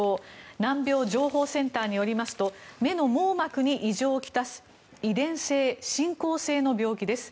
難病情報センターによりますと目の網膜に異常をきたす遺伝性、進行性の病気です。